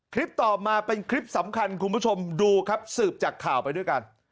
ต่อมาเป็นคลิปสำคัญคุณผู้ชมดูครับสืบจากข่าวไปด้วยกัน